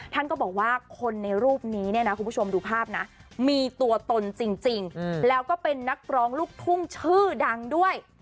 ท่านก็บอกว่าคนในรูปนี้เนี่ยนะคุณผู้ชมดูภาพนะมีตัวตนจริงแล้วก็เป็นนักร้องลูกทุ่งชื่อดังด้วย